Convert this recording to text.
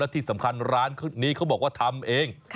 ที่สำคัญร้านนี้เขาบอกว่าทำเอง